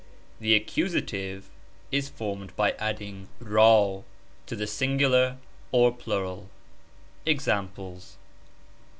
The accusative is formed by adding I. rd to the singular or plural. EXAMPLES.